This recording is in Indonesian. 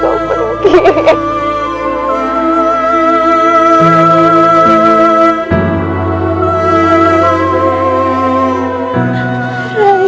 kenapa kau pergi